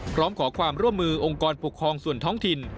ขอความร่วมมือองค์กรปกครองส่วนท้องถิ่น